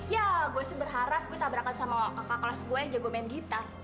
ya gue sih berharap gue tabrakan sama kakak kelas gue aja gue main gitar